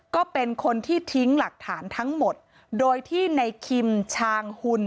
ก็เป็นคนที่ทิ้งหลักฐานทั้งหมดโดยที่ในคิมชางหุ่น